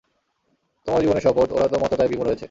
তোমার জীবনের শপথ, ওরা তো মত্ততায় বিমূঢ় হয়েছে।